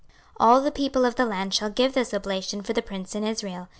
26:045:016 All the people of the land shall give this oblation for the prince in Israel.